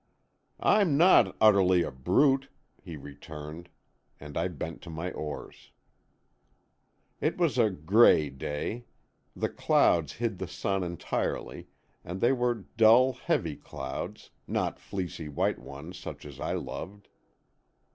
"I'm not utterly a brute," he returned, and I bent to my oars. It was a gray day. The clouds hid the sun entirely and they were dull heavy clouds, not fleecy white ones such as I loved.